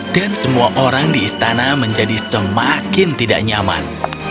dan semua orang di istana menjadi semakin tidak nyaman